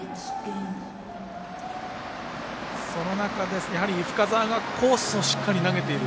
その中で、深沢がコースをしっかり投げている。